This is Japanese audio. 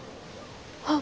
あ。